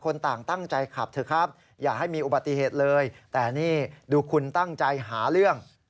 คนต่างตั้งใจขับเถอะครับอย่าให้มีอุบัติเหตุเลยแต่นี่ดูคุณตั้งใจหาเรื่อง